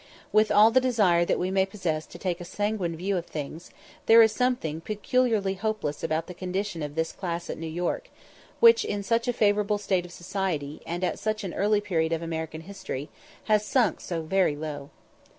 With all the desire that we may possess to take a sanguine view of things, there is something peculiarly hopeless about the condition of this class at New York, which in such a favourable state of society, and at such an early period of American history, has sunk so very low.